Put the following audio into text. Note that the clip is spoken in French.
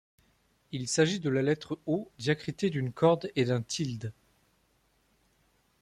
Il s’agit de la lettre O diacritée d’une corne et d’un tilde.